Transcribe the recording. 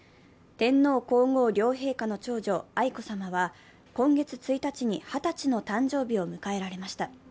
天皇・皇后両陛下の長女・愛子さまは今月１日に二十歳の誕生日を迎えられました。